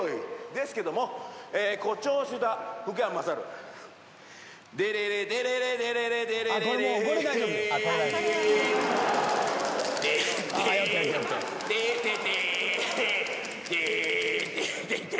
ですけども誇張した福山雅治デレレデレレデレレデレレレデレッテテテテデテテテ